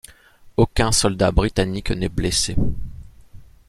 Aucun soldat britannique n'est blessé.